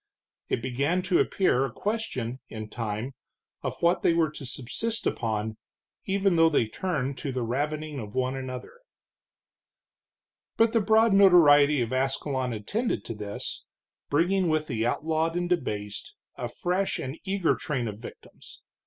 It began to appear a question, in time, of what they were to subsist upon, even though they turned to the ravening of one another. But the broad notoriety of Ascalon attended to this, bringing with the outlawed and debased a fresh and eager train of victims.